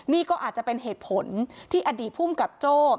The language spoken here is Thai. นี่ก็อาจจะเป็นเหตุผลที่อดีตภูมิกับโจ้